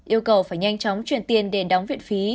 yêu cầu phải nhanh chóng chuyển tiền để đóng viện phí